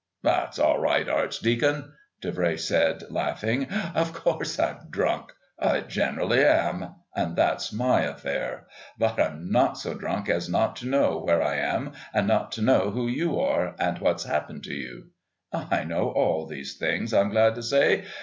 "That's all right, Archdeacon," Davray said, laughing. "Of course I'm drunk. I generally am and that's my affair. But I'm not so drunk as not to know where I am and not to know who you are and what's happened to you. I know all those things, I'm glad to say.